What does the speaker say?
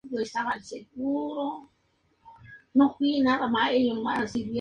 De pronto llega María Coromoto, fiel sirvienta quien llama a todos a comer.